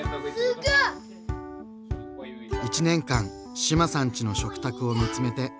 １年間志麻さんちの食卓を見つめて。